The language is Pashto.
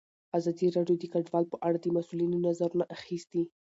ازادي راډیو د کډوال په اړه د مسؤلینو نظرونه اخیستي.